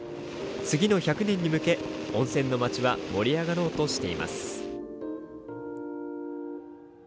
次の１００年に向け、温泉の街は盛り上がろうとしています。